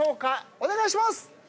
お願いします！